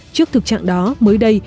trước thực trạng đó mới đây